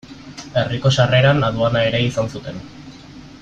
Herriko sarreran aduana ere izan zuten.